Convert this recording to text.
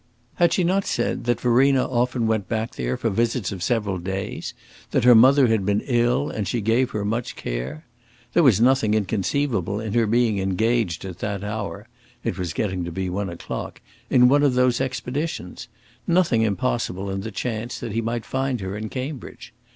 Had she not said that Verena often went back there for visits of several days that her mother had been ill and she gave her much care? There was nothing inconceivable in her being engaged at that hour (it was getting to be one o'clock) in one of those expeditions nothing impossible in the chance that he might find her in Cambridge.